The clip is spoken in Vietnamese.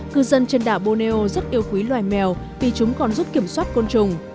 cư dân trên đảo borneo rất yêu quý loài mèo vì chúng còn giúp kiểm soát côn trùng